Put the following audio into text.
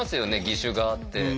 義手があって。